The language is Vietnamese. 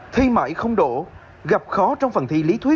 thi mãi không có thời gian đi thi